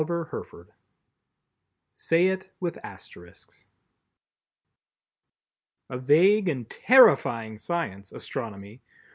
SAY IT WITH ASTERISKS A vague and terrifying science, astronomy!